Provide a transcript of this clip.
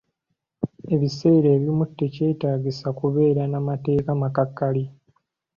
Ebiseera ebimu tekyetaagisa kubeera na mateeka makakali.